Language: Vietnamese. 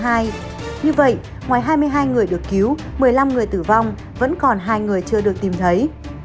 như vậy ngoài hai mươi hai người được cứu một mươi năm người tử vong vẫn còn hai người chưa được tìm thấy